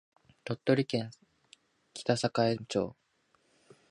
鳥取県北栄町